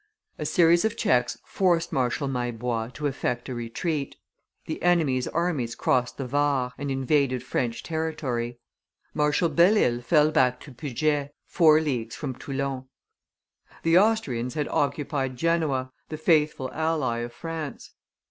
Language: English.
A series of checks forced Marshal Maillebois to effect a retreat; the enemy's armies crossed the Var, and invaded French territory. Marshal Belle Isle fell back to Puget, four leagues from Toulon. The Austrians had occupied Genoa, the faithful ally of France.